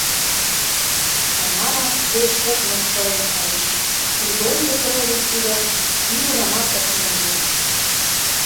Тамара пеш чот мыскылен кайыш, Григорий Петрович тидым нигунамат ок мондо!..